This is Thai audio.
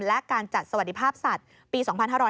และการจัดสวัสดิภาพสัตว์ปี๒๕๕๙